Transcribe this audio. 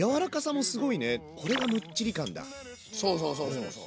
そうそうそうそうそう。